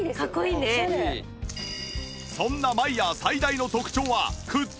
そんなマイヤー最大の特徴はくっつきにくさ